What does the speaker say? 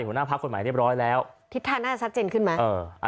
หัวหน้าภาคควรหมายเรียบร้อยแล้วทิศทางน่าจะซัดเจนขึ้นมั้ยเออ